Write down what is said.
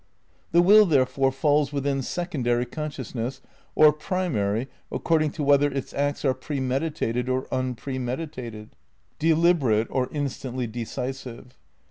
The will, therefore, falls within secondary conscious ness or primary according to whether its acts are pre meditated or unpremeditated, deliberate or instantly decisive.